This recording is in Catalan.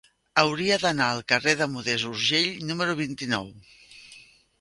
Hauria d'anar al carrer de Modest Urgell número vint-i-nou.